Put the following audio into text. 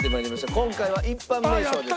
今回は一般名称です。